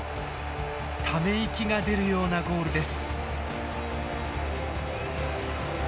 ため息が出るようなゴールです。